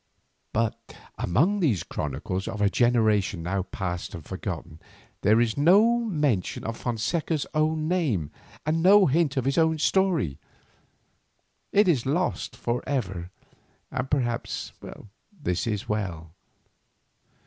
But among these chronicles of a generation now past and forgotten, there is no mention of Fonseca's own name and no hint of his own story. It is lost for ever, and perhaps this is well.